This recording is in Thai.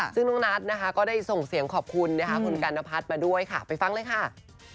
ซึ่งน้องนัทก็ได้ส่งเสียงขอบคุณคุณกัลนภัทรมาด้วยค่ะไปฟังเลยค่ะ